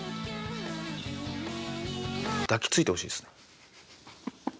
抱きついてほしいですね。